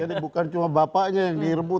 jadi bukan cuma bapaknya yang direbut